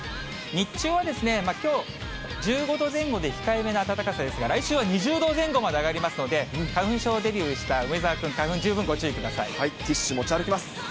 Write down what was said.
日中はきょう、１５度前後で控えめな暖かさですが、来週は２０度前後まで上がりますので、花粉症デビューした梅澤君、花粉、はい、ティッシュ持ち歩きます。